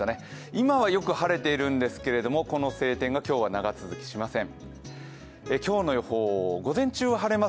今はよく晴れているんですけれども、この晴天は今日は長続きしません。